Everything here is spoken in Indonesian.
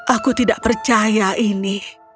aku tidak percaya ini